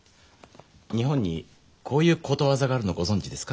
日本にこういうことわざがあるのをご存じですか？